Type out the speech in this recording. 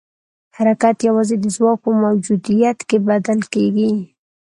حرکت یوازې د ځواک په موجودیت کې بدل کېږي.